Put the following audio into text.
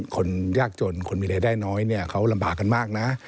คนยากจนคนมีรายได้น้อยเนี่ยเขาลำบากกันมากนะ